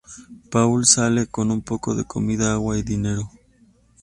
Paul sale con un poco de comida, agua y dinero.